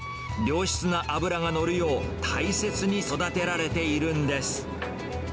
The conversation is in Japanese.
良質な脂が乗るよう、大切に育てられているんです。